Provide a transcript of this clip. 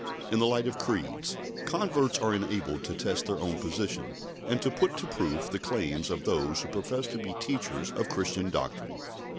In the light of creeds, converts are enabled to test their own position, and to put to proof the claims of those who profess to be teachers of Christian doctrine.